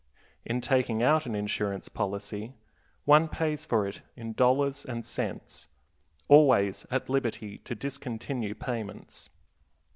In taking out an insurance policy one pays for it in dollars and cents, always at liberty to discontinue payments.